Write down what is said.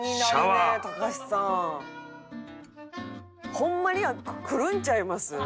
「ホンマにくるんちゃいます？」